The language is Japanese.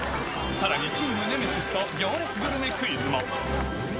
さらにチームネメシスと行列グルメクイズも。